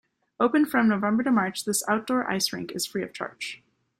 Opened from November to March, this outdoor ice rink is free of charge.